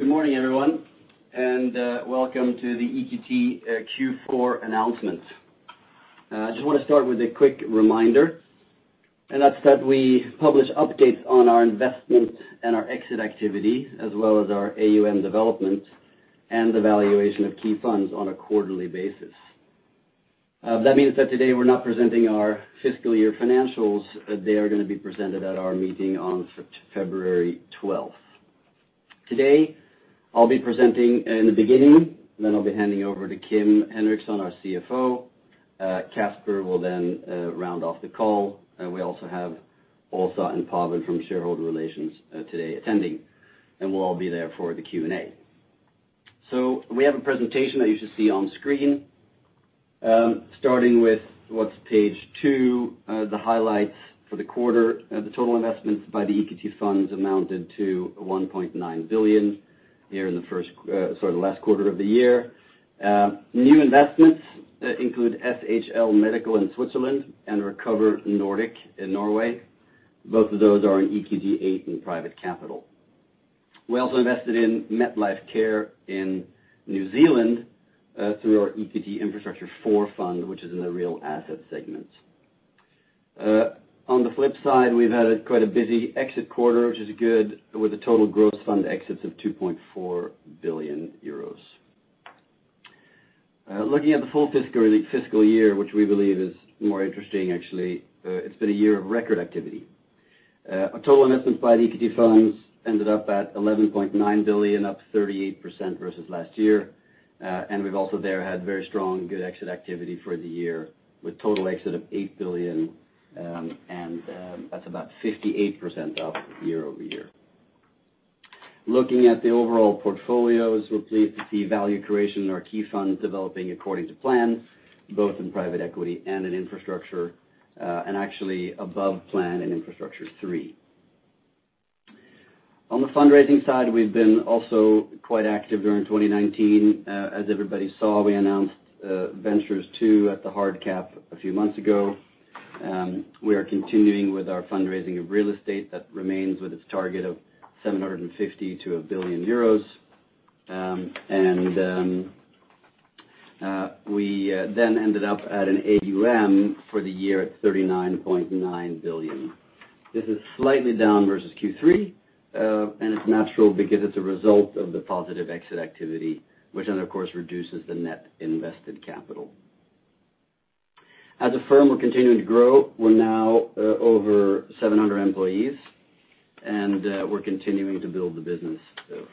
Good morning, everyone, welcome to the EQT Q4 announcement. I just want to start with a quick reminder, and that's that we publish updates on our investment and our exit activity, as well as our AUM development and the valuation of key funds on a quarterly basis. That means that today we're not presenting our fiscal year financials. They are going to be presented at our meeting on February 12th. Today, I'll be presenting in the beginning, then I'll be handing over to Kim Henriksson, our CFO. Caspar will then round off the call, we also have Åsa and Pavin from shareholder relations today attending, we'll all be there for the Q&A. We have a presentation that you should see on screen, starting with what's page two the highlights for the quarter. The total investments by the EQT funds amounted to 1.9 billion here in the last quarter of the year. New investments include SHL Medical in Switzerland and Recover Nordic in Norway. Both of those are in EQT VIII in private capital. We also invested in Metlifecare in New Zealand through our EQT Infrastructure IV fund, which is in the Real Asset segment. On the flip side, we've had quite a busy exit quarter, which is good, with a total gross fund exits of 2.4 billion euros. Looking at the full fiscal year, which we believe is more interesting, actually it's been a year of record activity. Our total investments by the EQT funds ended up at 11.9 billion, up 38% versus last year. We've also there had very strong, good exit activity for the year, with total exit of 8 billion and that's about 58% up year-over-year. Looking at the overall portfolios, we are pleased to see value creation in our key funds developing according to plan, both in private equity and in infrastructure and actually above plan in Infrastructure III. On the fundraising side, we have been also quite active during 2019. As everybody saw, we announced Ventures II at the hard cap a few months ago. We are continuing with our fundraising of real estate that remains with its target of 750 million to 1 billion euros. We then ended up at an AUM for the year at 39.9 billion. This is slightly down versus Q3. It is natural because it is a result of the positive exit activity, which then, of course, reduces the net invested capital. As a firm, we are continuing to grow. We are now over 700 employees, and we are continuing to build the business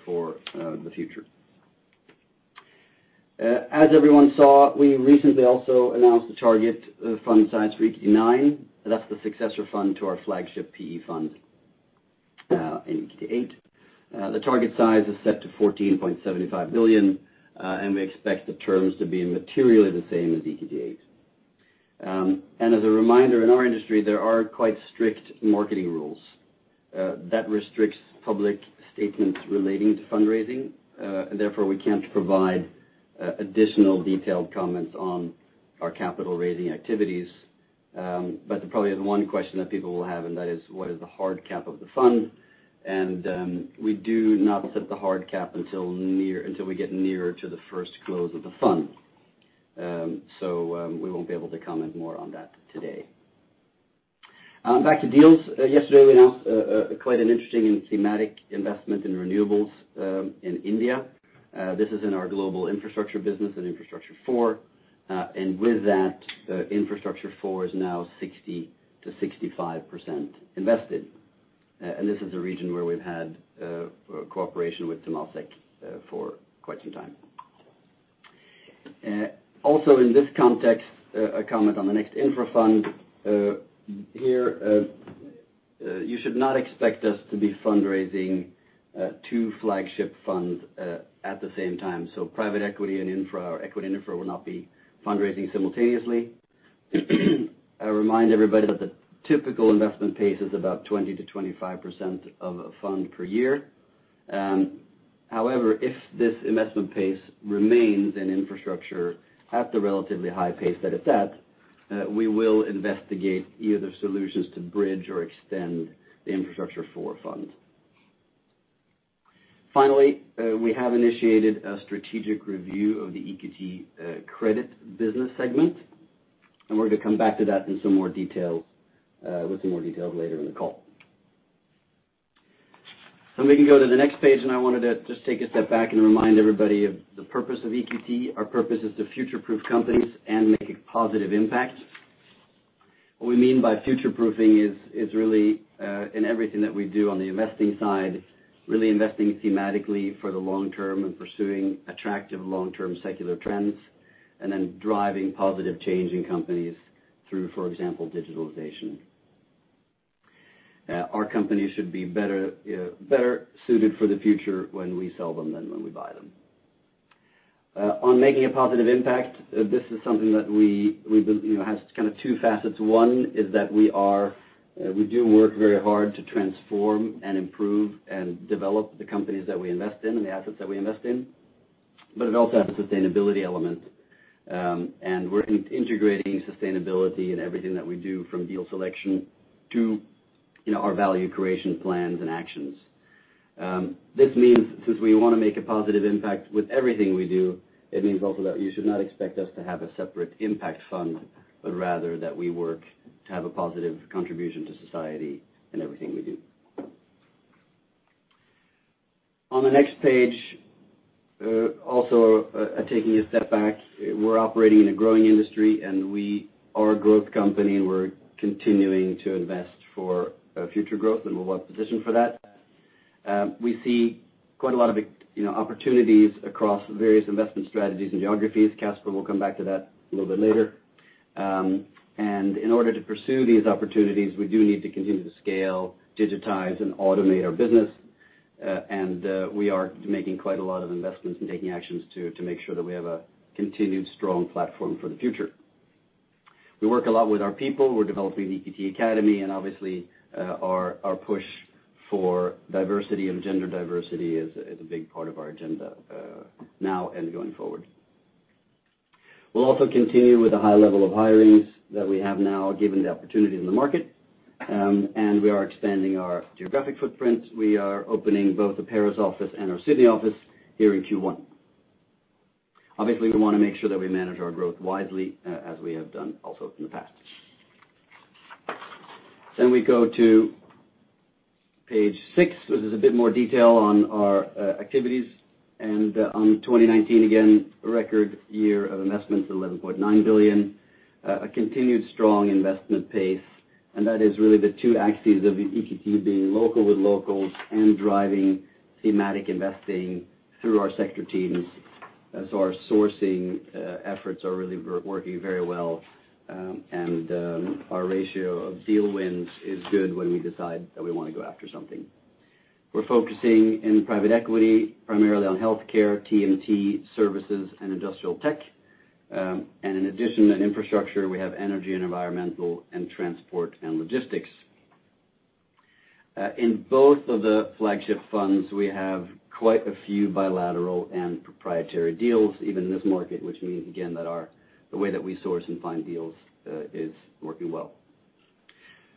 for the future. As everyone saw, we recently also announced the target fund size for EQT IX. That's the successor fund to our flagship PE fund in EQT VIII. The target size is set to 14.75 billion, and we expect the terms to be materially the same as EQT VIII. As a reminder, in our industry, there are quite strict marketing rules that restrict public statements relating to fundraising. Therefore, we can't provide additional detailed comments on our capital-raising activities. Probably the one question that people will have, and that is what is the hard cap of the fund? We do not set the hard cap until we get nearer to the first close of the fund. We won't be able to comment more on that today. Back to deals. Yesterday we announced quite an interesting and thematic investment in renewables in India. This is in our global infrastructure business in Infrastructure IV. With that, Infrastructure IV is now 60%-65% invested. This is a region where we've had cooperation with Temasek for quite some time. Also in this context a comment on the next infra fund. Here you should not expect us to be fundraising two flagship funds at the same time. Private equity and infra or equity and infra will not be fundraising simultaneously. I remind everybody that the typical investment pace is about 20%-25% of a fund per year. However, if this investment pace remains in infrastructure at the relatively high pace that it's at we will investigate either solutions to bridge or extend the Infrastructure IV fund. We have initiated a strategic review of the EQT Credit Business segment, and we're going to come back to that with some more details later in the call. We can go to the next page, and I wanted to just take a step back and remind everybody of the purpose of EQT. Our purpose is to future-proof companies and make a positive impact. What we mean by future-proofing is really in everything that we do on the investing side, really investing thematically for the long term and pursuing attractive long-term secular trends and then driving positive change in companies through, for example, digitalization. Our company should be better suited for the future when we sell them than when we buy them. On making a positive impact, this is something that has two facets. One is that we do work very hard to transform and improve and develop the companies that we invest in and the assets that we invest in. It also has a sustainability element, and we're integrating sustainability in everything that we do, from deal selection to our value creation plans and actions. This means since we want to make a positive impact with everything we do, it means also that you should not expect us to have a separate impact fund, but rather that we work to have a positive contribution to society in everything we do. On the next page, also taking a step back, we're operating in a growing industry, and we are a growth company, and we're continuing to invest for future growth, and we want position for that. We see quite a lot of opportunities across various investment strategies and geographies. Caspar will come back to that a little bit later. In order to pursue these opportunities, we do need to continue to scale, digitize, and automate our business. We are making quite a lot of investments in taking actions to make sure that we have a continued strong platform for the future. We work a lot with our people. We're developing the EQT Academy, and obviously our push for diversity and gender diversity is a big part of our agenda now and going forward. We'll also continue with the high level of hirings that we have now, given the opportunity in the market, and we are expanding our geographic footprint. We are opening both the Paris office and our Sydney office here in Q1. Obviously, we want to make sure that we manage our growth wisely as we have done also in the past. We go to page six, which is a bit more detail on our activities. On 2019, again, a record year of investments, 11.9 billion. A continued strong investment pace, and that is really the two axes of EQT being local with locals and driving thematic investing through our sector teams as our sourcing efforts are really working very well. Our ratio of deal wins is good when we decide that we want to go after something. We're focusing in private equity, primarily on healthcare, TMT services, and industrial tech. In addition to infrastructure, we have energy and environmental and transport and logistics. In both of the flagship funds, we have quite a few bilateral and proprietary deals, even in this market, which means, again, that the way that we source and find deals is working well.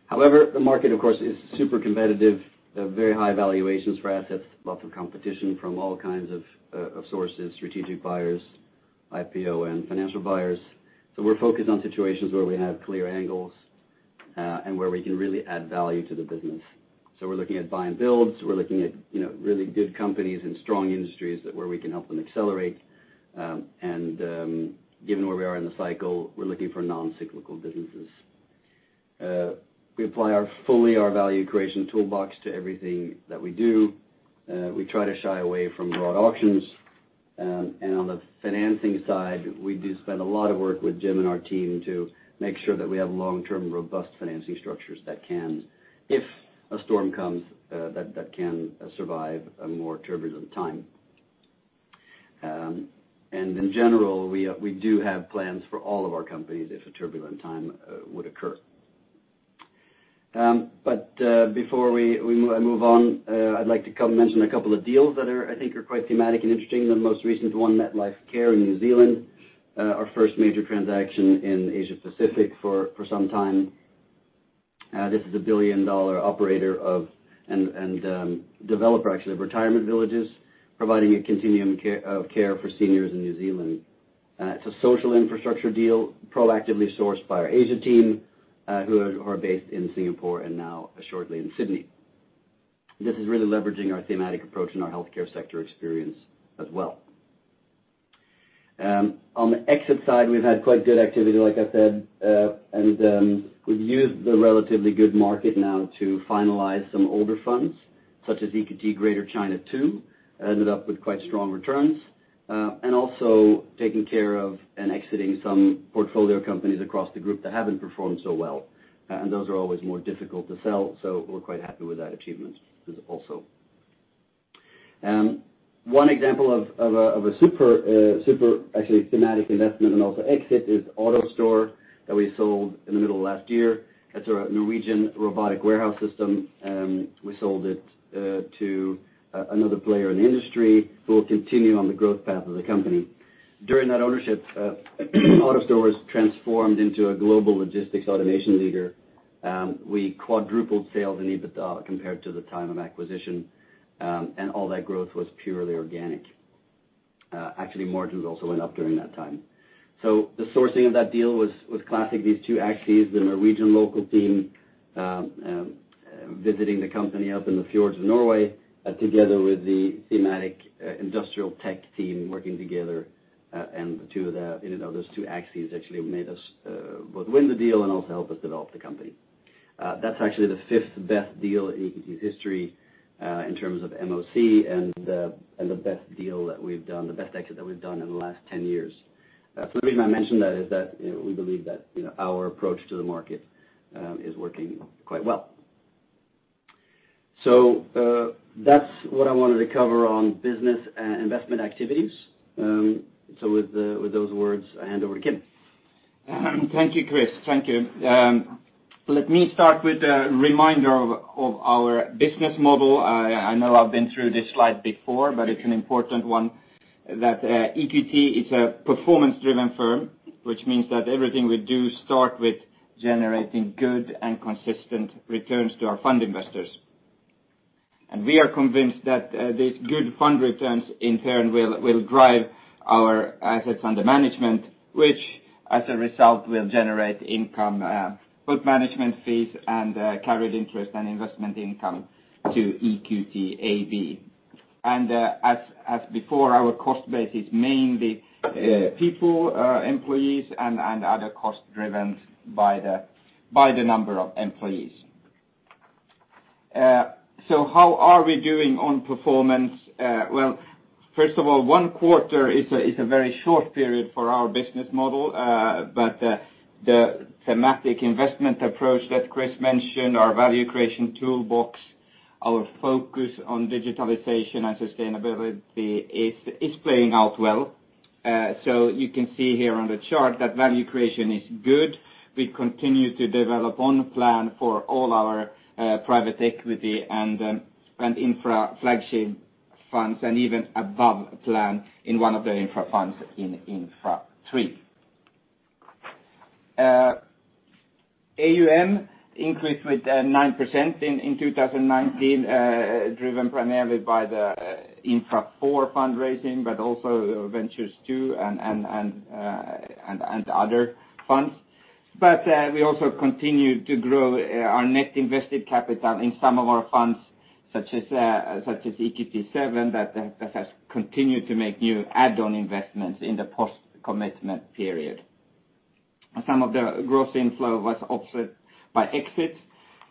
However, the market, of course, is super competitive. Very high valuations for assets, lots of competition from all kinds of sources, strategic buyers, IPO, and financial buyers. We're focused on situations where we have clear angles, and where we can really add value to the business. We're looking at buy and builds. We're looking at really good companies and strong industries where we can help them accelerate. Given where we are in the cycle, we're looking for non-cyclical businesses. We apply fully our value creation toolbox to everything that we do. We try to shy away from broad auctions. On the financing side, we do spend a lot of work with Jim and our team to make sure that we have long-term, robust financing structures that can, if a storm comes, that can survive a more turbulent time. In general, we do have plans for all of our companies if a turbulent time would occur. Before I move on, I'd like to mention a couple of deals that I think are quite thematic and interesting. The most recent one, Metlifecare in New Zealand, our first major transaction in Asia-Pacific for some time. This is a 1 billion operator of and developer, actually, of retirement villages providing a continuum of care for seniors in New Zealand. It's a social infrastructure deal proactively sourced by our Asia team who are based in Singapore and now shortly in Sydney. This is really leveraging our thematic approach and our healthcare sector experience as well. On the exit side, we've had quite good activity, like I said, and we've used the relatively good market now to finalize some older funds, such as EQT Greater China II, ended up with quite strong returns. Also taking care of and exiting some portfolio companies across the group that haven't performed so well. Those are always more difficult to sell, so we're quite happy with that achievement also. One example of a super, actually thematic investment and also exit is AutoStore that we sold in the middle of last year. That's a Norwegian robotic warehouse system. We sold it to another player in the industry who will continue on the growth path of the company. During that ownership, AutoStore was transformed into a global logistics automation leader. We quadrupled sales and EBITDA compared to the time of acquisition, and all that growth was purely organic. Actually, margins also went up during that time. The sourcing of that deal was classic. These two axes, the Norwegian local team visiting the company up in the fjords of Norway, together with the thematic industrial tech team working together. Those two axes actually made us both win the deal and also help us develop the company. That's actually the fifth-best deal in EQT's history in terms of MOC and the best deal that we've done, the best exit that we've done in the last 10 years. The reason I mention that is that we believe that our approach to the market is working quite well. That's what I wanted to cover on business and investment activities. With those words, I hand over to Kim. Thank you, Chris. Let me start with a reminder of our business model. I know I've been through this slide before. It's an important one that EQT is a performance-driven firm, which means that everything we do starts with generating good and consistent returns to our fund investors. We are convinced that these good fund returns in turn will drive our assets under management, which as a result will generate income, both management fees and carried interest and investment income to EQT AB. As before, our cost base is mainly people, employees, and other cost-driven by the number of employees. How are we doing on performance? Well, first of all, one quarter is a very short period for our business model. The thematic investment approach that Chris mentioned, our value creation toolbox, our focus on digitalization and sustainability is playing out well. You can see here on the chart that value creation is good. We continue to develop on plan for all our private equity and infra flagship funds, and even above plan in one of the infra funds in Infra III. AUM increased with 9% in 2019, driven primarily by the Infra IV fundraising, also Ventures II and other funds. We also continued to grow our net invested capital in some of our funds, such as EQT VII, that has continued to make new add-on investments in the post-commitment period. Some of the gross inflow was offset by exits,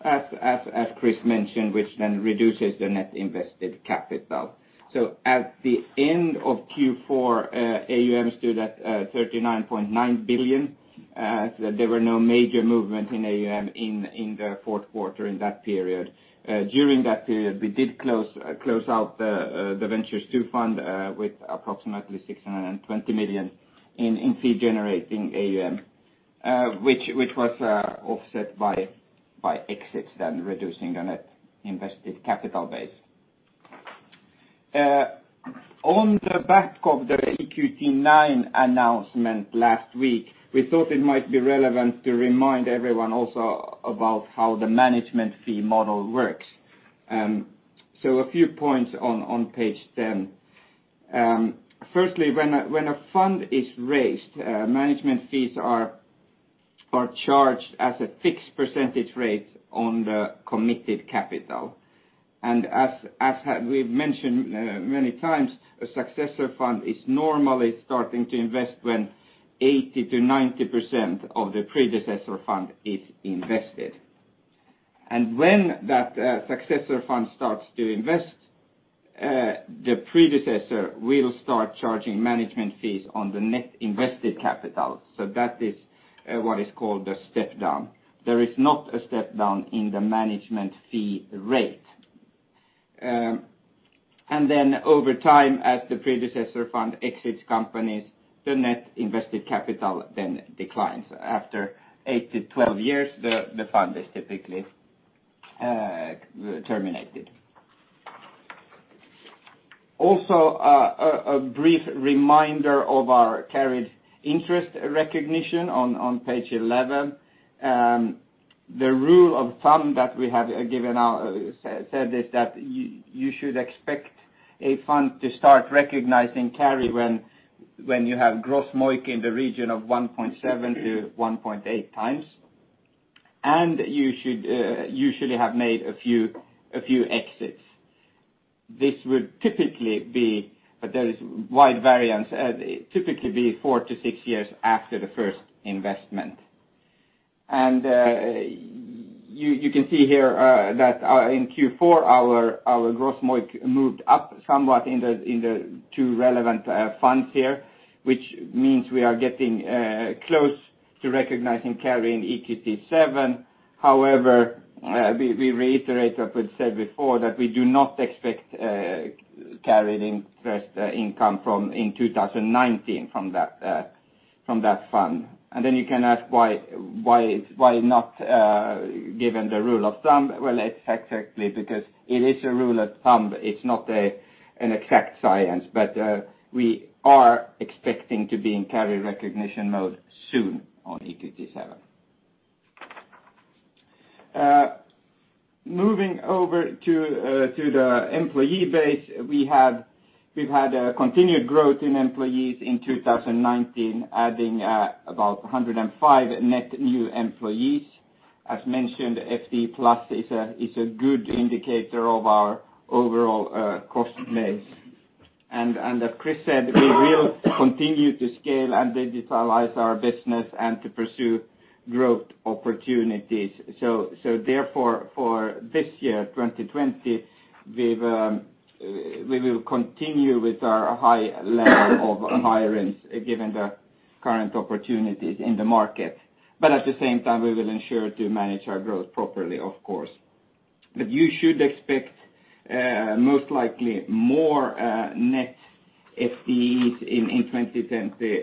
as Chris mentioned, which reduces the net invested capital. At the end of Q4, AUM stood at 39.9 billion. There were no major movement in AUM in the fourth quarter in that period. During that period, we did close out the Ventures II fund with approximately 620 million in fee-generating AUM, which was offset by exits, reducing the net invested capital base. On the back of the EQT IX announcement last week, we thought it might be relevant to remind everyone also about how the management fee model works. A few points on page 10. Firstly, when a fund is raised, management fees are charged as a fixed percentage rate on the committed capital. As we've mentioned many times, a successor fund is normally starting to invest when 80%-90% of the predecessor fund is invested. When that successor fund starts to invest, the predecessor will start charging management fees on the net invested capital. That is what is called the step-down. There is not a step-down in the management fee rate. Over time, as the predecessor fund exits companies, the net invested capital then declines. After 8 to 12 years, the fund is typically terminated. A brief reminder of our carried interest recognition on page 11. The rule of thumb that we have said is that you should expect a fund to start recognizing carry when you have gross MOIC in the region of 1.7x-1.8x, and you should usually have made a few exits. This would typically be, but there is wide variance, typically be four to six years after the first investment. You can see here that in Q4, our gross MOIC moved up somewhat in the two relevant funds here, which means we are getting close to recognizing carry in EQT VII. We reiterate what I said before, that we do not expect carried interest income in 2019 from that fund. You can ask why not given the rule of thumb? Well, it's exactly because it is a rule of thumb. It's not an exact science, we are expecting to be in carry recognition mode soon on EQT VII. Moving over to the employee base. We've had a continued growth in employees in 2019, adding about 105 net new employees. As mentioned, FTE Plus is a good indicator of our overall cost base. As Chris said, we will continue to scale and digitalize our business and to pursue growth opportunities. For this year, 2020, we will continue with our high level of hirings given the current opportunities in the market. At the same time, we will ensure to manage our growth properly, of course. You should expect most likely more net FTEs in 2020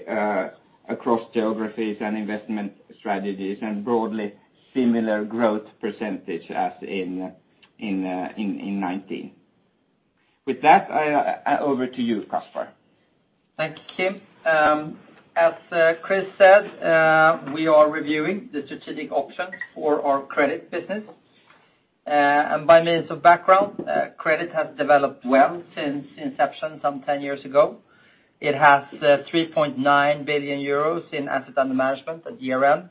across geographies and investment strategies, and broadly similar growth percentage as in 2019. With that, over to you, Caspar. Thank you, Kim. As Chris said, we are reviewing the strategic option for our credit business. By means of background, credit has developed well since inception some 10 years ago. It has 3.9 billion euros in asset under management at year-end,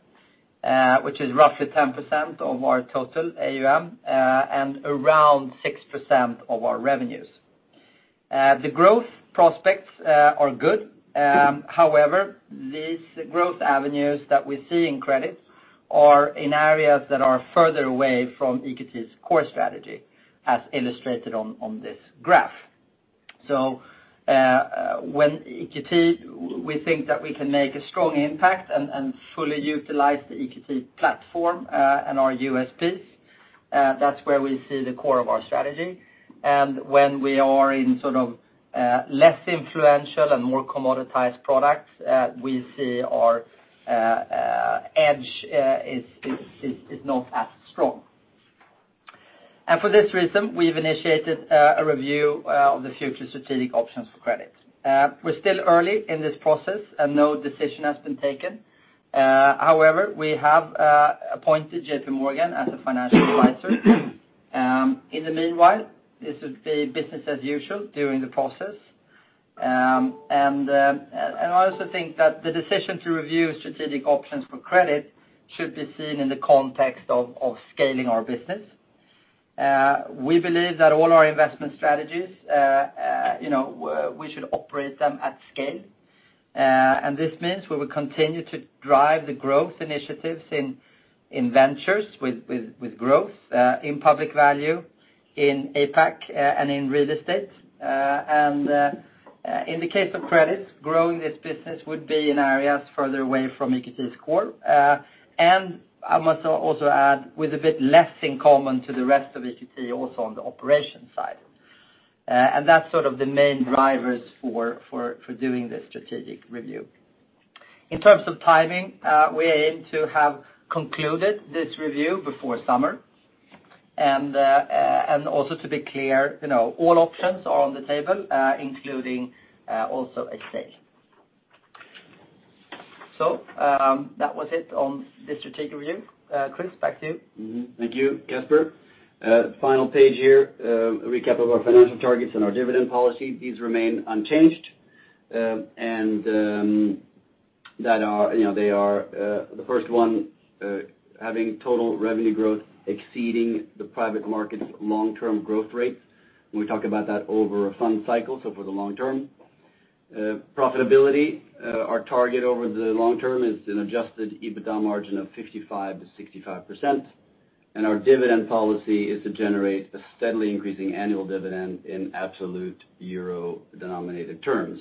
which is roughly 10% of our total AUM, and around 6% of our revenues. The growth prospects are good. However, these growth avenues that we see in credit are in areas that are further away from EQT's core strategy, as illustrated on this graph. When EQT We think that we can make a strong impact and fully utilize the EQT platform, and our USPs, that's where we see the core of our strategy. When we are in less influential and more commoditized products, we see our edge is not as strong. For this reason, we've initiated a review of the future strategic options for credit. We're still early in this process, and no decision has been taken. However, we have appointed JPMorgan as a financial advisor. In the meanwhile, this is the business as usual during the process. I also think that the decision to review strategic options for credit should be seen in the context of scaling our business. We believe that all our investment strategies, we should operate them at scale. This means we will continue to drive the growth initiatives in ventures with growth, in Public Value, in APAC, and in real estate. In the case of credit, growing this business would be in areas further away from EQT's core. I must also add, with a bit less in common to the rest of EQT, also on the operation side. That's the main drivers for doing this strategic review. In terms of timing, we aim to have concluded this review before summer. Also to be clear, all options are on the table, including also a sale. That was it on the strategic review. Chris, back to you. Thank you, Caspar. Final page here, a recap of our financial targets and our dividend policy. These remain unchanged. The first one, having total revenue growth exceeding the private market's long-term growth rates. We talk about that over a fund cycle, so for the long term. Profitability, our target over the long term is an adjusted EBITDA margin of 55%-65%. Our dividend policy is to generate a steadily increasing annual dividend in absolute euro-denominated terms.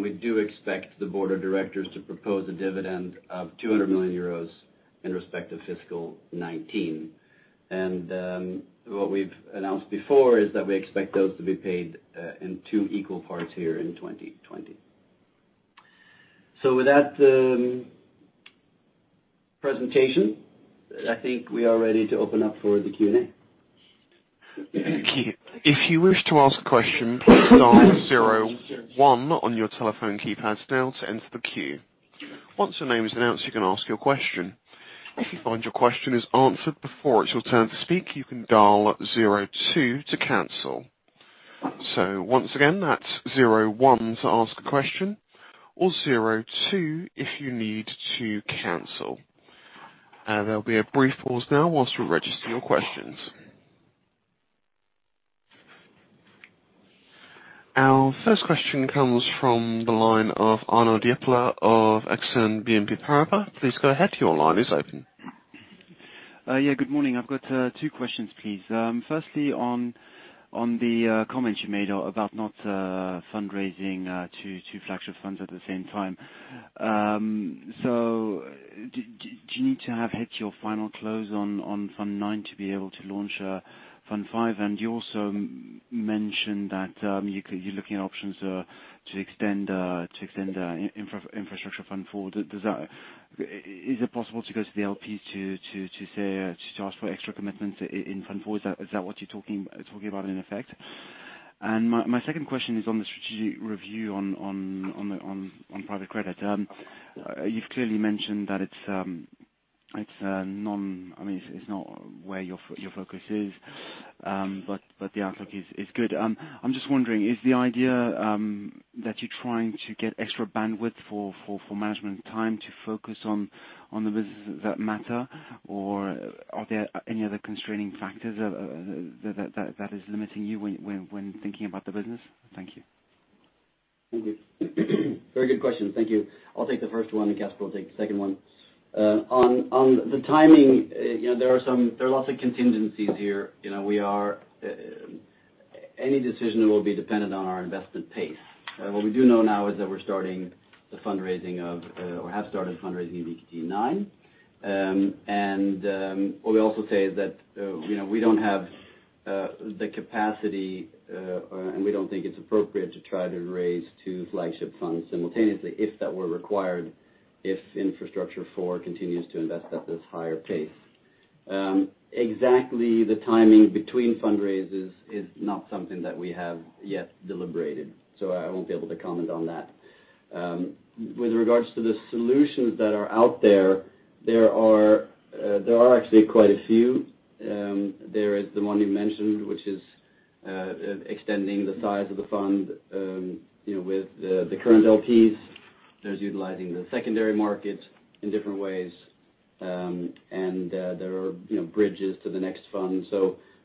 We do expect the board of directors to propose a dividend of 200 million euros in respect of fiscal 2019. What we've announced before is that we expect those to be paid in two equal parts here in 2020. With that presentation, I think we are ready to open up for the Q&A. If you wish to ask a question, please dial zero one on your telephone keypad now to enter the queue. Once your name is announced, you can ask your question. If you find your question is answered before it is your turn to speak, you can dial zero two to cancel. Once again, that is 01 to ask a question, or zero two if you need to cancel. There will be a brief pause now while we register your questions. Our first question comes from the line of Arnaud Giblat of Exane BNP Paribas. Please go ahead, your line is open. Yeah, good morning. I've got two questions, please. Firstly, on the comment you made about not fundraising two flagship funds at the same time. Do you need to have hit your final close on Fund IX to be able to launch Fund V? You also mentioned that you're looking at options to extend Infrastructure Fund IV. Is it possible to go to the LP to ask for extra commitments in Fund IV? Is that what you're talking about, in effect? My second question is on the strategic review on private credit. You've clearly mentioned that it's not where your focus is, but the outlook is good. I'm just wondering, is the idea that you're trying to get extra bandwidth for management time to focus on the businesses that matter? Are there any other constraining factors that is limiting you when thinking about the business? Thank you. Thank you. Very good question. Thank you. I'll take the first one and Caspar will take the second one. On the timing, there are lots of contingencies here. Any decision will be dependent on our investment pace. What we do know now is that we're starting the fundraising of, or have started fundraising in EQT IX. What we also say is that we don't have the capacity, and we don't think it's appropriate to try to raise two flagship funds simultaneously, if that were required, if EQT Infrastructure IV continues to invest at this higher pace. Exactly the timing between fundraisers is not something that we have yet deliberated, so I won't be able to comment on that. With regards to the solutions that are out there are actually quite a few. There is the one you mentioned, which is extending the size of the fund with the current LPs. There's utilizing the secondary market in different ways. There are bridges to the next fund.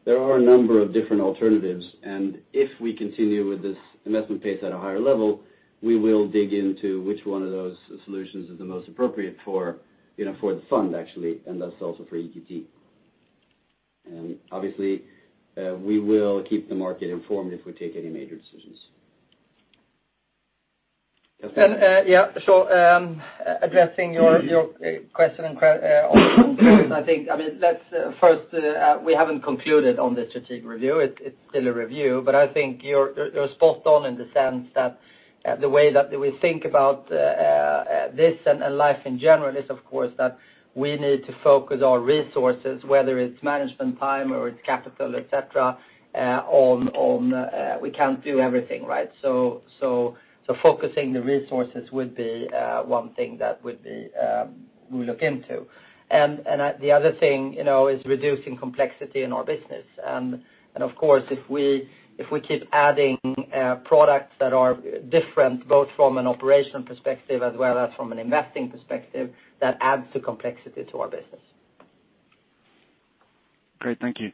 There are a number of different alternatives, and if we continue with this investment pace at a higher level, we will dig into which one of those solutions is the most appropriate for the fund actually, and thus also for EQT. Obviously, we will keep the market informed if we take any major decisions. Caspar? Yeah. Addressing your question, I think, first, we haven't concluded on the strategic review. It's still a review, but I think you're spot on in the sense that the way that we think about this and life in general is, of course, that we need to focus our resources, whether it's management time or it's capital, et cetera. We can't do everything, right? Focusing the resources would be one thing that we look into. The other thing is reducing complexity in our business. Of course, if we keep adding products that are different, both from an operational perspective as well as from an investing perspective, that adds to complexity to our business. Great. Thank you.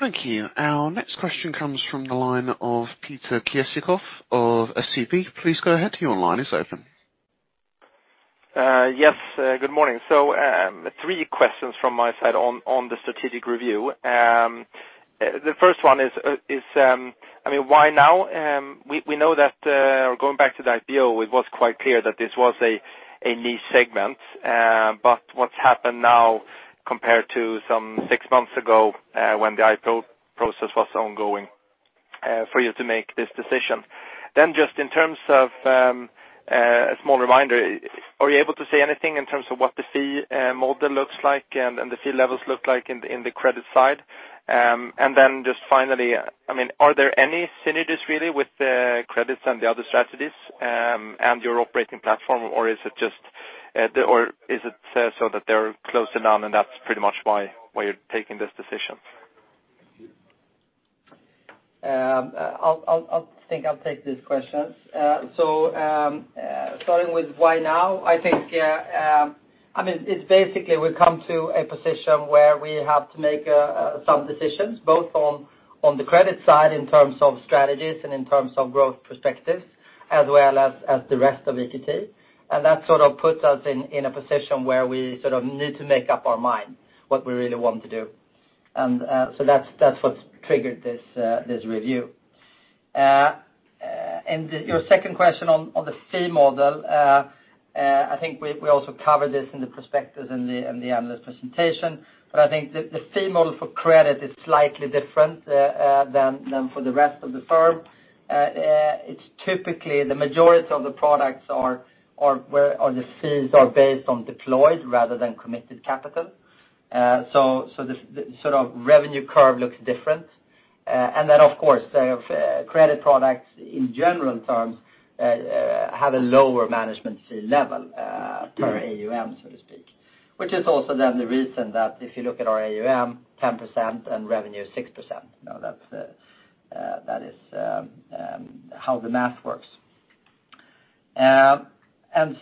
Thank you. Our next question comes from the line of Peter Kessiakoff of SEB. Please go ahead. Your line is open. Yes, good morning. Three questions from my side on the strategic review. The first one is why now? We know that, or going back to the IPO, it was quite clear that this was a niche segment. What's happened now compared to some six months ago, when the IPO process was ongoing, for you to make this decision? Just in terms of a small reminder, are you able to say anything in terms of what the fee model looks like and the fee levels look like in the credit side? Just finally, are there any synergies really with the credits and the other strategies and your operating platform, or is it so that they're closing down and that's pretty much why you're taking this decision? I think I'll take these questions. Starting with why now, I think it's basically we've come to a position where we have to make some decisions, both on the credit side in terms of strategies and in terms of growth perspectives as well as the rest of EQT. That sort of puts us in a position where we need to make up our mind what we really want to do. That's what's triggered this review. Your second question on the fee model, I think we also covered this in the prospectus in the analyst presentation. I think the fee model for credit is slightly different than for the rest of the firm. It's typically the majority of the products are where the fees are based on deployed rather than committed capital. The sort of revenue curve looks different. Of course, credit products in general terms have a lower management fee level per AUM, so to speak, which is also then the reason that if you look at our AUM 10% and revenue 6%, that is how the math works.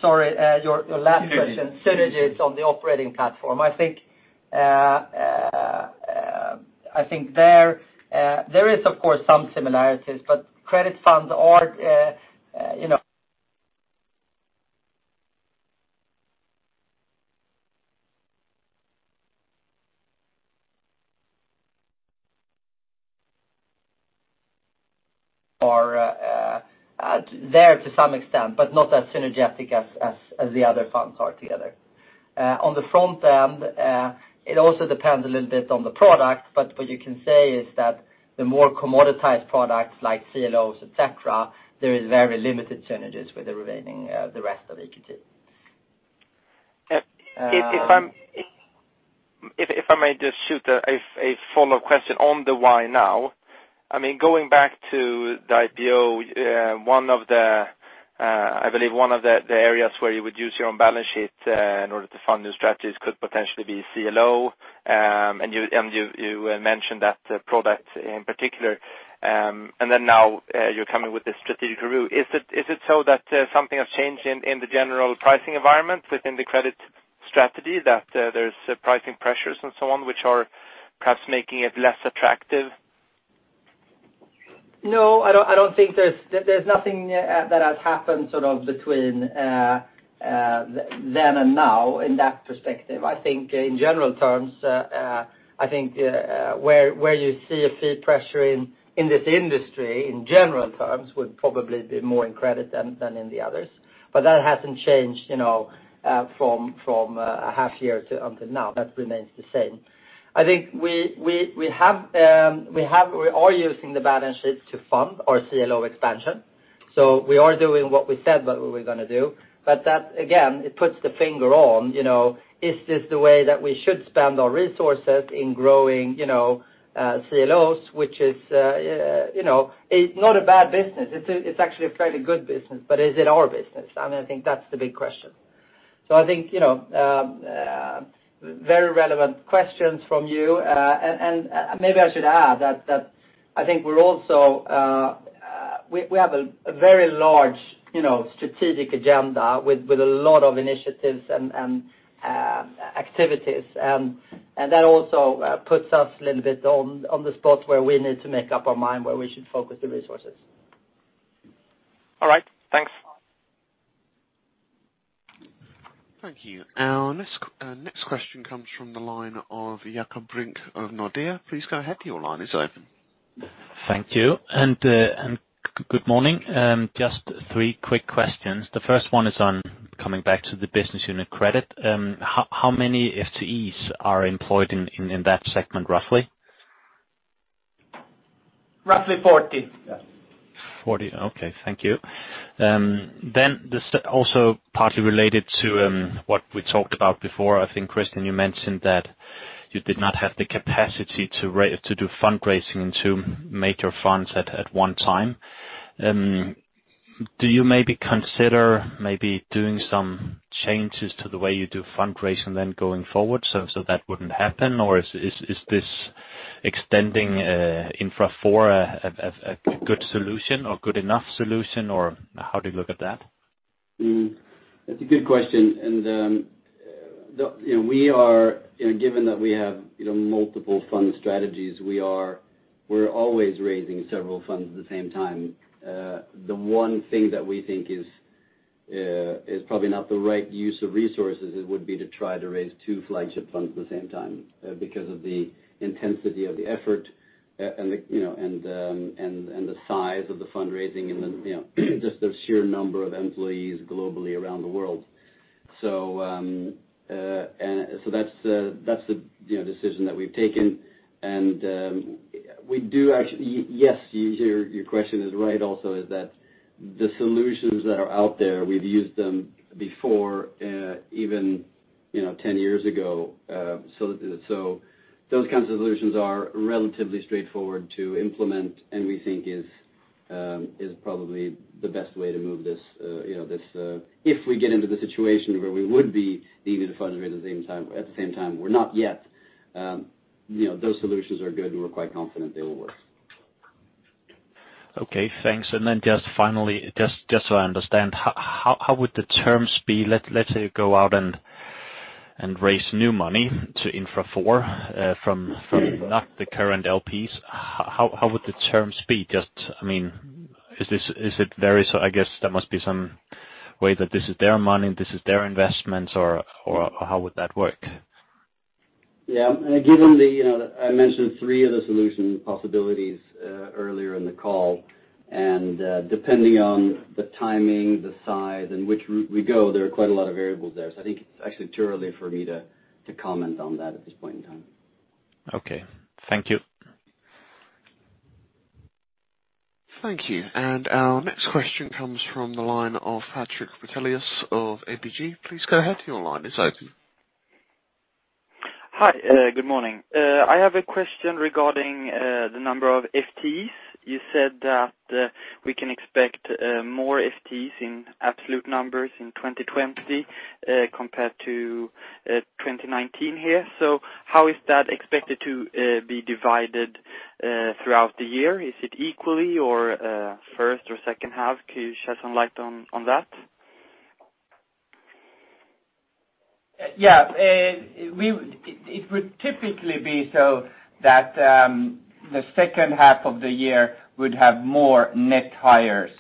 Sorry your last question. Sure synergies on the operating platform. I think there is, of course, some similarities, but credit funds are there to some extent, but not as synergetic as the other funds are together. On the front end, it also depends a little bit on the product, but what you can say is that the more commoditized products like CLOs, et cetera, there is very limited synergies with the remaining rest of EQT. If I may just shoot a follow-up question on the why now, going back to the IPO, I believe one of the areas where you would use your own balance sheet in order to fund new strategies could potentially be CLO, and you mentioned that product in particular. Now you're coming with this strategic review. Is it so that something has changed in the general pricing environment within the credit strategy that there's pricing pressures and so on, which are perhaps making it less attractive? There's nothing that has happened sort of between then and now in that perspective. I think in general terms where you see a fee pressure in this industry, in general terms, would probably be more in credit than in the others. That hasn't changed from a half year until now. That remains the same. I think we are using the balance sheet to fund our CLO expansion. We are doing what we said that we were going to do. That, again, it puts the finger on, is this the way that we should spend our resources in growing CLOs, which is not a bad business, it's actually a fairly good business, but is it our business? I think that's the big question. I think very relevant questions from you. Maybe I should add that I think we have a very large strategic agenda with a lot of initiatives and activities. That also puts us a little bit on the spot where we need to make up our mind where we should focus the resources. All right. Thanks. Thank you. Our next question comes from the line of Jakob Brink of Nordea. Please go ahead, your line is open. Thank you, and good morning. Just three quick questions. The first one is on coming back to the business unit credit. How many FTEs are employed in that segment, roughly? Roughly 40. Okay. Thank you. Also partly related to what we talked about before, I think, Chris, you mentioned that you did not have the capacity to do fundraising into major funds at one time. Do you maybe consider maybe doing some changes to the way you do fundraising then going forward so that wouldn't happen? Or is this extending EQT Infrastructure IV a good solution or good enough solution? Or how do you look at that? That's a good question. Given that we have multiple fund strategies, we're always raising several funds at the same time. The one thing that we think is probably not the right use of resources it would be to try to raise two flagship funds at the same time because of the intensity of the effort and the size of the fundraising and just the sheer number of employees globally around the world. That's the decision that we've taken. Yes, your question is right also is that the solutions that are out there, we've used them before even 10 years ago. Those kinds of solutions are relatively straightforward to implement and we think is probably the best way to move this if we get into the situation where we would be needing to fundraise at the same time. We're not yet. Those solutions are good, and we're quite confident they will work. Okay, thanks. Then just finally, just so I understand, how would the terms be, let's say you go out and raise new money to Infra IV from not the current LPs, how would the terms be? I guess there must be some way that this is their money, this is their investments, or how would that work? Yeah. I mentioned three of the solution possibilities earlier in the call. Depending on the timing, the size, and which route we go, there are quite a lot of variables there. I think it's actually too early for me to comment on that at this point in time. Okay. Thank you. Thank you. Our next question comes from the line of Patrik Brattelius of ABG. Please go ahead, your line is open. Hi. Good morning. I have a question regarding the number of FTEs. You said that we can expect more FTEs in absolute numbers in 2020 compared to 2019 here. How is that expected to be divided throughout the year? Is it equally or first or second half? Could you shed some light on that? It would typically be so that the second half of the year would have more net hires,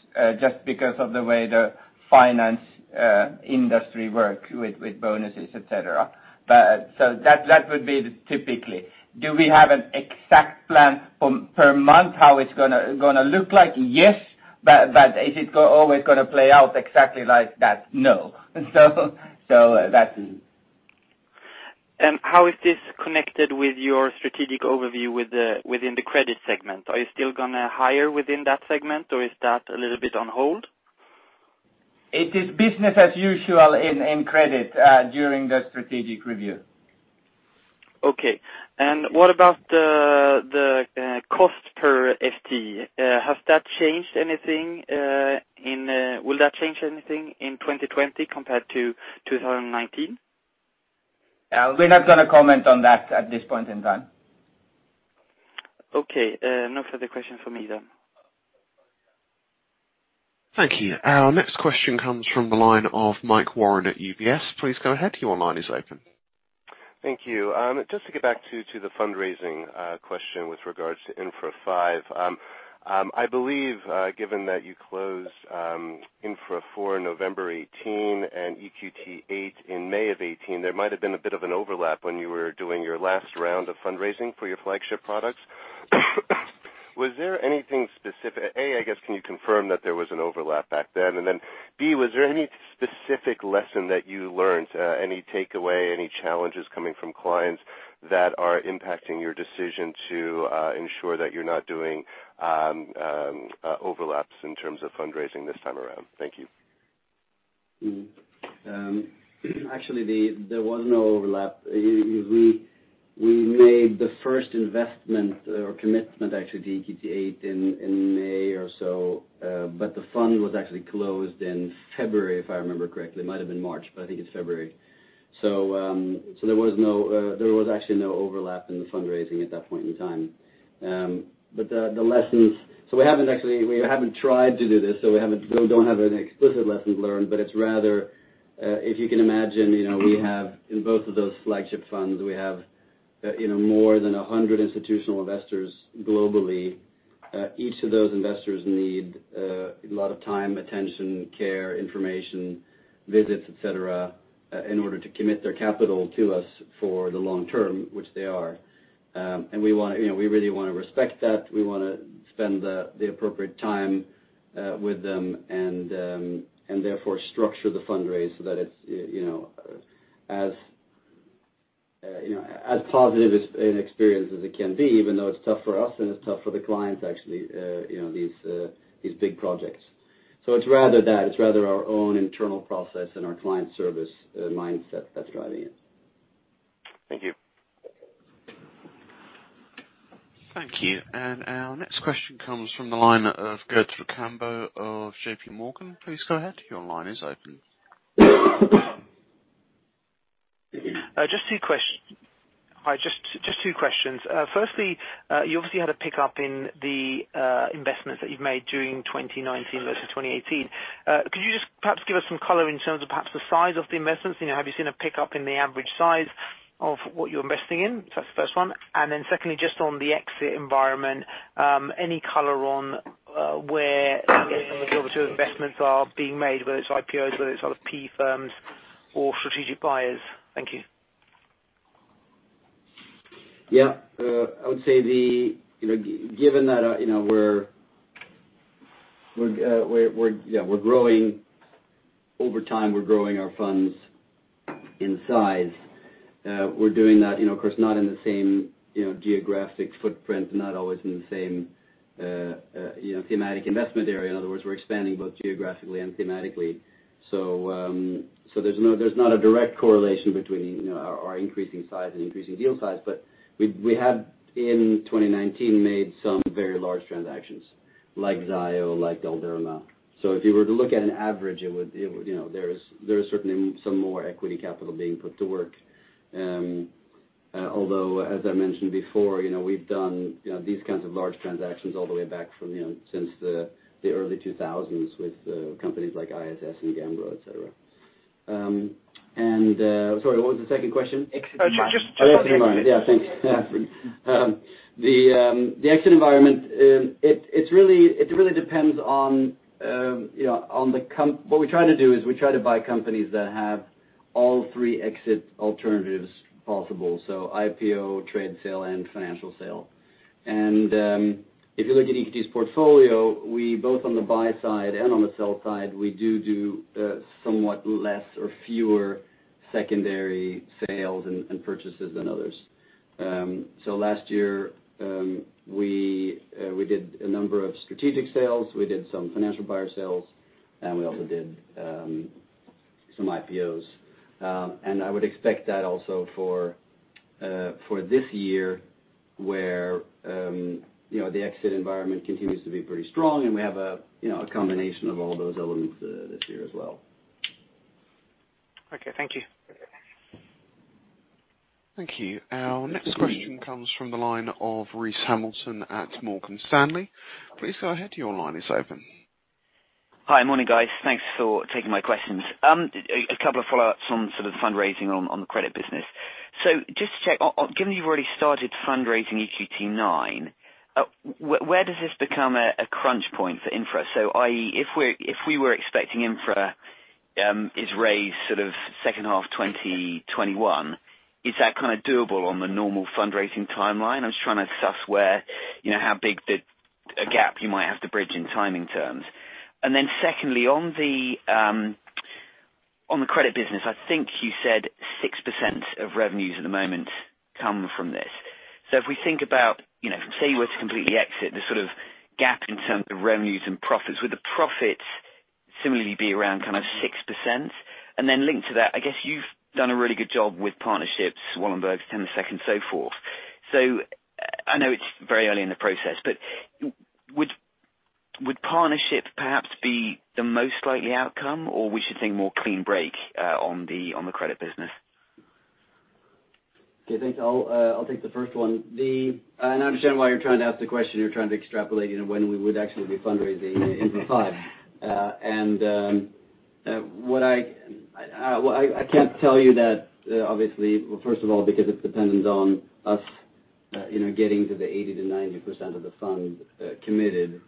just because of the way the finance industry work with bonuses, et cetera. That would be typically. Do we have an exact plan per month how it's going to look like? Yes. Is it always going to play out exactly like that? No. That's it. How is this connected with your strategic overview within the Credit segment? Are you still going to hire within that segment or is that a little bit on hold? It is business as usual in credit during the strategic review. Okay. What about the cost per FTE? Has that changed anything? Will that change anything in 2020 compared to 2019? We're not going to comment on that at this point in time. Okay. No further question from me then. Thank you. Our next question comes from the line of Mike Werner at UBS. Please go ahead. Your line is open. Thank you. Just to get back to the fundraising question with regards to Infra V. I believe given that you closed Infra IV November 2018 and EQT VIII in May of 2018, there might have been a bit of an overlap when you were doing your last round of fundraising for your flagship products. A, I guess, can you confirm that there was an overlap back then? B, was there any specific lesson that you learned, any takeaway, any challenges coming from clients that are impacting your decision to ensure that you're not doing overlaps in terms of fundraising this time around? Thank you. Actually, there was no overlap. We made the first investment or commitment, actually, to EQT VIII in May or so. The fund was actually closed in February, if I remember correctly. It might have been March, but I think it's February. There was actually no overlap in the fundraising at that point in time. We haven't tried to do this, so we don't have any explicit lessons learned. It's rather, if you can imagine, in both of those flagship funds, we have more than 100 institutional investors globally. Each of those investors need a lot of time, attention, care, information, visits, et cetera, in order to commit their capital to us for the long term, which they are. We really want to respect that. We want to spend the appropriate time with them, and therefore structure the fundraise so that it's as positive an experience as it can be, even though it's tough for us and it's tough for the clients, actually, these big projects. It's rather that. It's rather our own internal process and our client service mindset that's driving it. Thank you. Thank you. Our next question comes from the line of Gurjit Kambo of JPMorgan. Please go ahead. Your line is open. Just two questions. Hi. Just two questions. Firstly, you obviously had a pick-up in the investments that you've made during 2019 versus 2018. Could you just perhaps give us some color in terms of perhaps the size of the investments? Have you seen a pick-up in the average size of what you're investing in? That's the first one. Secondly, just on the exit environment, any color on where the global investments are being made, whether it's IPOs, whether it's private equity firms or strategic buyers? Thank you. Yeah. I would say, given that over time we're growing our funds in size. We're doing that, of course, not in the same geographic footprint, not always in the same thematic investment area. In other words, we're expanding both geographically and thematically. There's not a direct correlation between our increasing size and increasing deal size. We have, in 2019, made some very large transactions like Zayo, like Galderma. If you were to look at an average, there is certainly some more equity capital being put to work. Although, as I mentioned before, we've done these kinds of large transactions all the way back since the early 2000s with companies like ISS and Gambro, et cetera. Sorry, what was the second question? Exit environment. Just on the exit environment. Oh, exit environment. Yeah, thanks. The exit environment, it really depends. What we try to do is we try to buy companies that have all three exit alternatives possible. IPO, trade sale, and financial sale. If you look at EQT's portfolio, both on the buy side and on the sell side, we do somewhat less or fewer secondary sales and purchases than others. Last year, we did a number of strategic sales. We did some financial buyer sales, and we also did some IPOs. I would expect that also for this year, where the exit environment continues to be pretty strong, and we have a combination of all those elements this year as well. Okay. Thank you. Thank you. Our next question comes from the line of Bruce Hamilton at Morgan Stanley. Please go ahead. Your line is open. Hi. Morning, guys. Thanks for taking my questions. A couple of follow-ups on sort of fundraising on the credit business. Just to check, given that you've already started fundraising EQT IX, where does this become a crunch point for Infra? I.e., if we were expecting Infra is raised sort of second half 2021, is that kind of doable on the normal fundraising timeline? I'm just trying to suss how big a gap you might have to bridge in timing terms. Secondly, on the credit business, I think you said 6% of revenues at the moment come from this. If we think about, say you were to completely exit, the sort of gap in terms of revenues and profits, would the profits similarly be around kind of 6%? Linked to that, I guess you've done a really good job with partnerships, Wallenberg, Temasek, and so forth. I know it's very early in the process, but would partnership perhaps be the most likely outcome, or we should think more clean break on the credit business? Okay, thanks. I'll take the first one. I understand why you're trying to ask the question. You're trying to extrapolate when we would actually be fundraising in fund five. I can't tell you that, obviously. First of all, because it's dependent on us getting to the 80%-90% of the fund committed,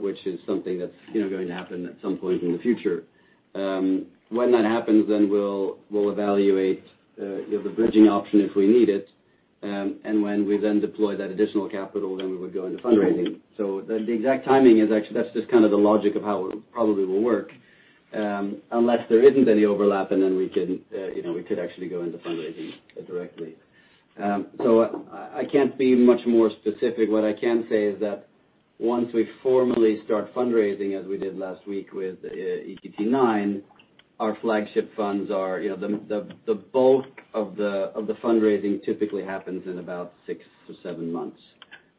which is something that's going to happen at some point in the future. When that happens, we'll evaluate the bridging option if we need it. When we deploy that additional capital, we would go into fundraising. The exact timing is actually, that's just the logic of how it probably will work. Unless there isn't any overlap, we could actually go into fundraising directly. I can't be much more specific. What I can say is that once we formally start fundraising, as we did last week with EQT IX, our flagship funds, the bulk of the fundraising typically happens in about six to seven months.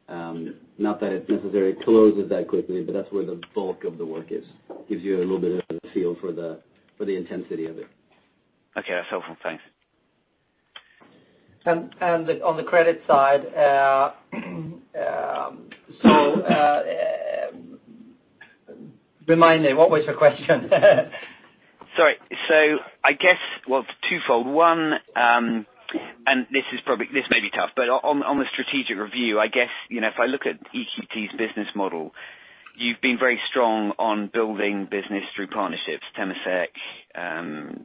Not that it necessarily closes that quickly, but that's where the bulk of the work is. Gives you a little bit of a feel for the intensity of it. Okay, that's helpful. Thanks. On the credit side, remind me, what was your question? Sorry. I guess, well, it's twofold. One, and this may be tough, but on the strategic review, I guess, if I look at EQT's business model, you've been very strong on building business through partnerships, Temasek,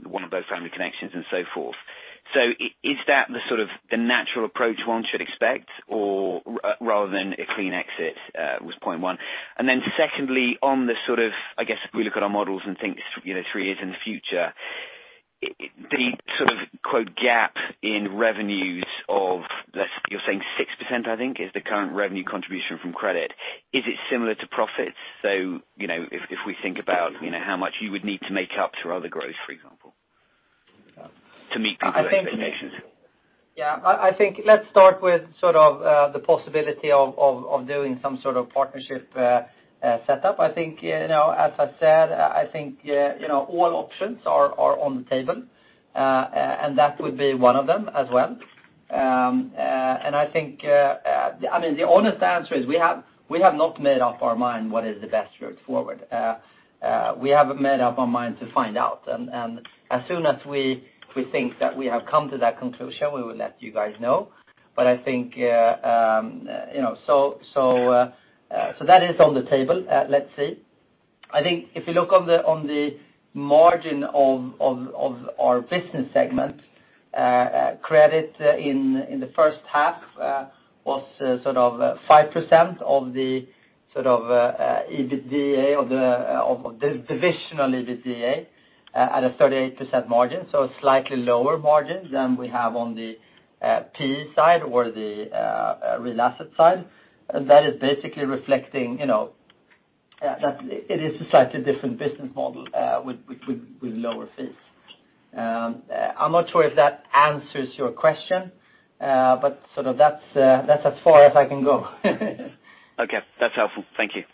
one of those family connections, and so forth. Is that the natural approach one should expect or rather than a clean exit, was point one. Secondly, on the I guess, if we look at our models and think three years in the future, the quote gap in revenues of you're saying 6%, I think, is the current revenue contribution from credit. Is it similar to profits? If we think about how much you would need to make up through other growth, for example, to meet people's expectations. I think let's start with the possibility of doing some sort of partnership setup. As I said, I think all options are on the table, and that would be one of them as well. The honest answer is we have not made up our mind what is the best route forward. We haven't made up our mind to find out, and as soon as we think that we have come to that conclusion, we will let you guys know. That is on the table. Let's see. I think if you look on the margin of our Business segment, Credit in the first half was 5% of the divisional EBITDA at a 38% margin. A slightly lower margin than we have on the PE side or the real asset side. That is basically reflecting that it is a slightly different business model with lower fees. I'm not sure if that answers your question, but that's as far as I can go. Okay. That's helpful. Thank you.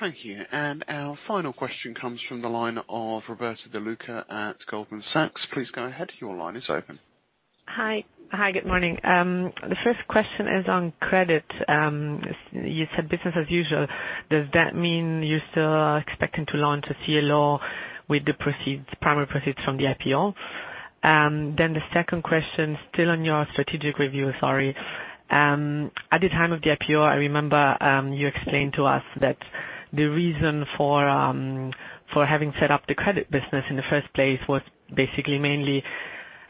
Thank you. Our final question comes from the line of Roberta De Luca at Goldman Sachs. Please go ahead. Your line is open. Hi, good morning. The first question is on credit. You said business as usual. Does that mean you still are expecting to launch a CLO with the primary proceeds from the IPO? The second question, still on your strategic review, sorry. At the time of the IPO, I remember you explained to us that the reason for having set up the credit business in the first place was basically mainly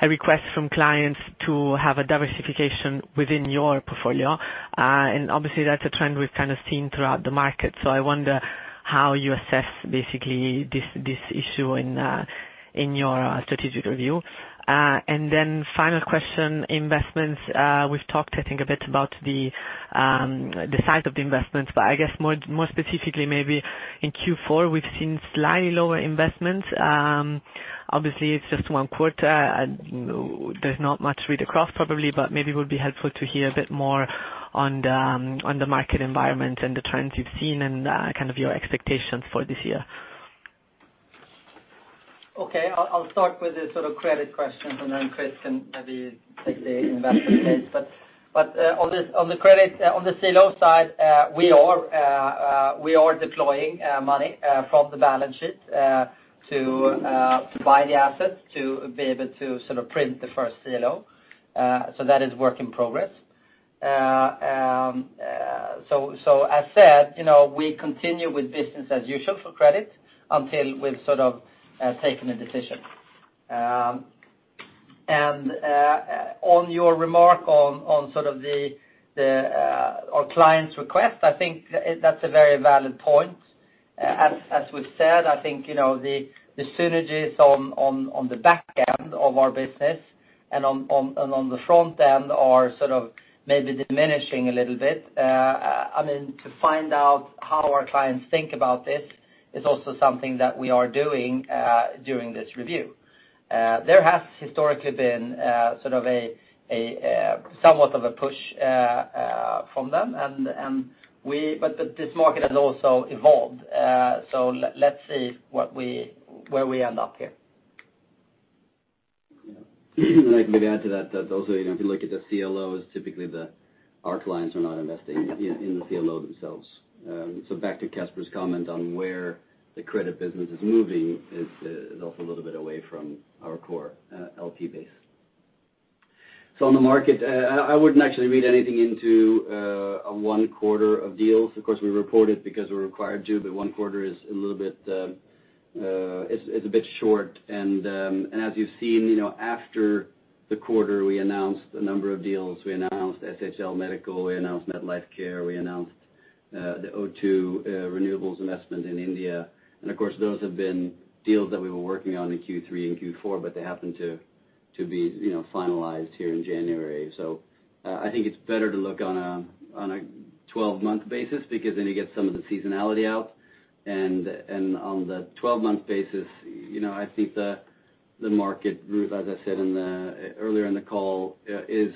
a request from clients to have a diversification within your portfolio. Obviously, that's a trend we've seen throughout the market. I wonder how you assess basically this issue in your strategic review. Final question, investments. We've talked, I think, a bit about the size of the investments, but I guess more specifically maybe in Q4, we've seen slightly lower investments. Obviously, it's just one quarter. There's not much read across probably, but maybe it would be helpful to hear a bit more on the market environment and the trends you've seen and your expectations for this year. Okay. I'll start with the credit question. Chris can maybe take the investment case. On the CLO side, we are deploying money from the balance sheet to buy the assets to be able to print the first CLO. That is work in progress. As said, we continue with business as usual for credit until we've taken a decision. On your remark on our client's request, I think that's a very valid point. As we've said, I think the synergies on the back end of our business and on the front end are maybe diminishing a little bit. To find out how our clients think about this is also something that we are doing during this review. There has historically been somewhat of a push from them. This market has also evolved. Let's see where we end up here. I can maybe add to that also, if you look at the CLOs, typically our clients are not investing in the CLO themselves. Back to Caspar's comment on where the credit business is moving, it's also a little bit away from our core LP base. On the market, I wouldn't actually read anything into a one quarter of deals. Of course, we report it because we're required to, but one quarter is a bit short. As you've seen, after the quarter, we announced a number of deals. We announced SHL Medical, we announced Metlifecare, we announced the O2 Power investment in India. Of course, those have been deals that we were working on in Q3 and Q4, but they happened to be finalized here in January. I think it's better to look on a 12-month basis because then you get some of the seasonality out. On the 12-month basis, I think the market rate, as I said earlier in the call, is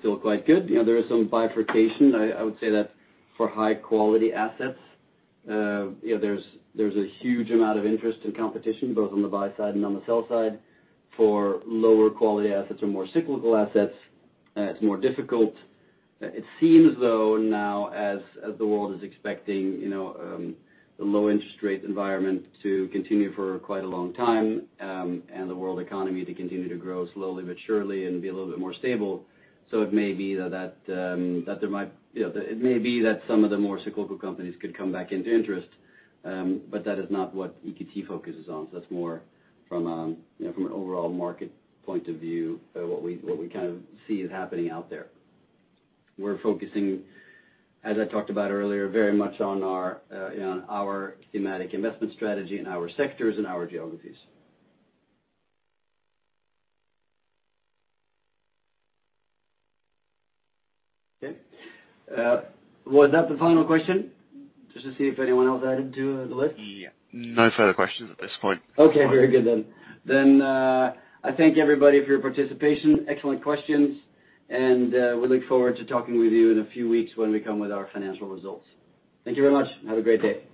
still quite good. There is some bifurcation. I would say that for high-quality assets there's a huge amount of interest and competition, both on the buy side and on the sell side. For lower quality assets or more cyclical assets, it's more difficult. It seems though, now, as the world is expecting the low interest rate environment to continue for quite a long time, and the world economy to continue to grow slowly but surely and be a little bit more stable. It may be that some of the more cyclical companies could come back into interest. That is not what EQT focuses on. That's more from an overall market point of view, what we kind of see is happening out there. We're focusing, as I talked about earlier, very much on our thematic investment strategy and our sectors and our geographies. Okay. Was that the final question, just to see if anyone else added to the list. Yeah. No further questions at this point. Okay, very good then. I thank everybody for your participation. Excellent questions. We look forward to talking with you in a few weeks when we come with our financial results. Thank you very much. Have a great day.